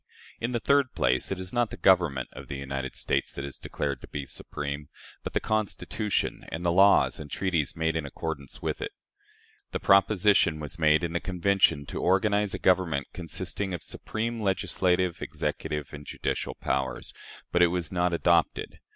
In the third place, it is not the Government of the United States that is declared to be supreme, but the Constitution and the laws and treaties made in accordance with it. The proposition was made in the Convention to organize a government consisting of "supreme legislative, executive, and judicial powers," but it was not adopted.